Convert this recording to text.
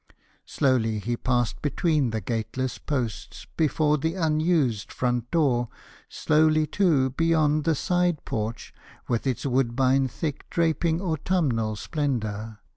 Slowly he passed between the gateless posts Before the unused front door, slowly too Beyond the side porch with its woodbine thick Draping autumnal splendor.